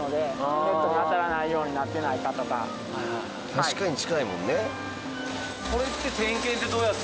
確かに近いもんね。